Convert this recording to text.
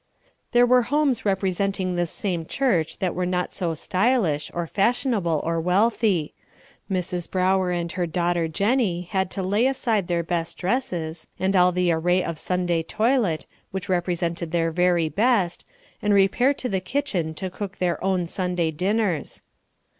There were homes representing this same church that were not so stylish, or fashionable, or wealthy. Mrs. Brower and her daughter Jenny had to lay aside their best dresses, and all the array of Sunday toilet, which represented their very best, and repair to the kitchen to cook their own Sunday dinners.